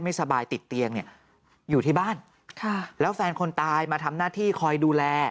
ไม่สบายติดเตียงเนี่ยอยู่ที่บ้านค่ะแล้วแฟนคนตายมาทำหน้าที่คอยดูแล